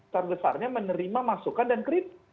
sebesarnya menerima masukan dan krim